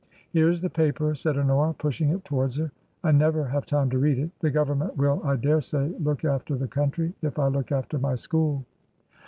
" Here is the paper," said Honora, pushing it towards her ;" I never have time to read it. The Government will, I daresay, look after the country^ if I look after my school."